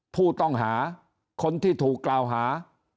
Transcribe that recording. ผู้ต้องหาคนที่ถูกกล่าวหา